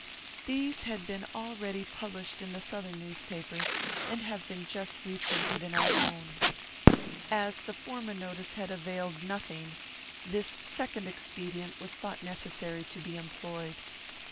These had been already published in the Southern newspapers, and have been just reprinted in our own. As the former notice had availed nothing, this second expedient was thought necessary to be employed.